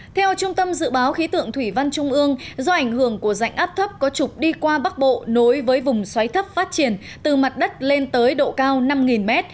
theo trung tâm dự báo khí tượng thủy văn trung ương do ảnh hưởng của dạnh áp thấp có trục đi qua bắc bộ nối với vùng xoáy thấp phát triển từ mặt đất lên tới độ cao năm m